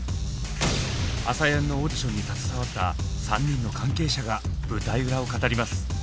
「ＡＳＡＹＡＮ」のオーディションに携わった３人の関係者が舞台裏を語ります。